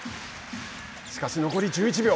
しかし、残り１１秒。